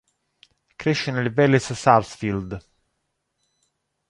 Cresce nel Vélez Sársfield.